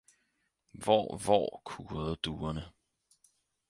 Hvor hvor kurrede duerne